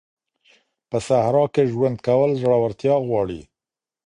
په صحرا کي ژوند کول زړورتيا غواړي.